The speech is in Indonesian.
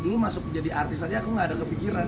dulu masuk jadi artis aja aku gak ada kepikiran